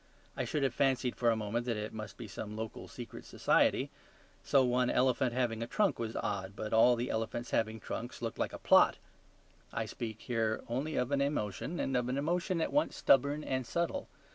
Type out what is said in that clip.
I should have fancied for a moment that it must be some local secret society. So one elephant having a trunk was odd; but all elephants having trunks looked like a plot. I speak here only of an emotion, and of an emotion at once stubborn and subtle.